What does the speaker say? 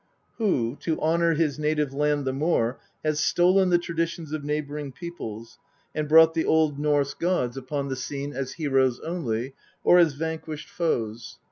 who, to honour his native land the more, has stolen the traditions of neighbouring peoples, and brought the Old Norse gods upon the w THE POETIC EDDA. scene as heroes only, or as vanquished foes.